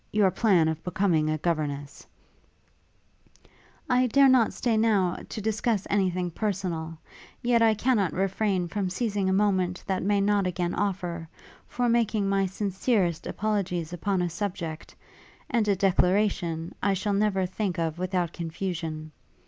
Your plan of becoming a governess ' 'I dare not stay, now, to discuss any thing personal; yet I cannot refrain from seizing a moment that may not again offer, for making my sincerest apologies upon a subject and a declaration I shall never think of without confusion.